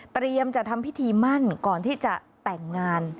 จะทำพิธีมั่นก่อนที่จะแต่งงาน